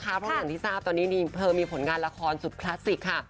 เพราะอย่างที่ทราบตอนนี้เธอมีผลงานละครสุดคลาสสิกค่ะ